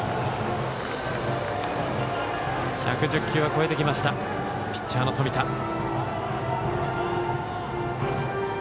１１０球は超えてきましたピッチャーの冨田。